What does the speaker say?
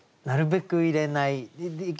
なるべく入れない。